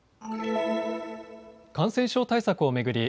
感染症対策を巡り